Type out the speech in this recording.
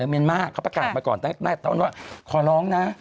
เมนเมียม่าเขาประกาศมาก่อนแต่ตอนนี้ว่าขอร้องนะ